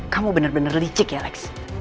kamu bener bener licik ya lex